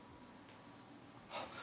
あっ。